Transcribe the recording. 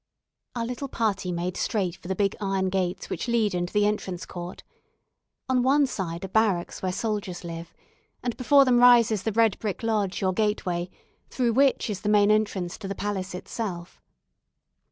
Our little party made straight for the big iron gates which lead into the entrance court. On one side are barracks where soldiers live, and before them rises the red brick lodge or gateway through which is the main entrance to the palace itself.